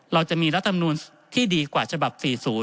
เราจะมีรัฐมนูลที่ดีกว่าฉบับ๔๐